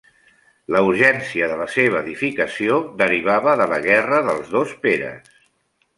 La urgència de la seva edificació derivava de la Guerra dels dos Peres.